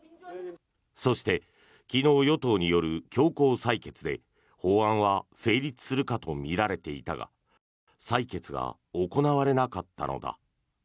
そして昨日与党による強行採決で法案は成立するかとみられていたが採決が行われなかったのだ。